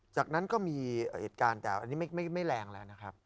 จากนั้นก็มีเหตุการณ์แต่อันนี้ไม่แรงแล้วนะครับ